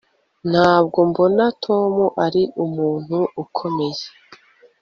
Ntabwo mbona Tom ari umuntu ukomeye